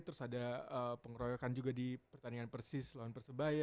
terus ada pengeroyokan juga di pertandingan persis lawan persebaya